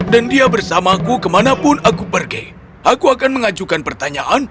dan dia bersamaku kemanapun aku pergi aku akan mengajukan pertanyaan